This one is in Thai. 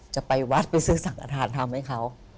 จะไปวัดไปซื้อสังฆฐานทำให้เขา